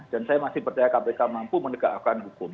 dan saya masih percaya kpk mampu menegakkan hukum